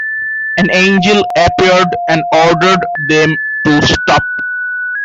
An angel appeared and ordered them to stop.